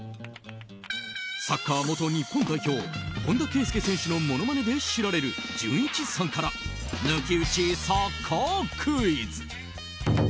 サッカー元日本代表本田圭佑選手のものまねで知られるじゅんいちさんから抜き打ちサッカークイズ。